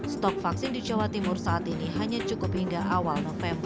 stok vaksin di jawa timur saat ini hanya cukup hingga awal november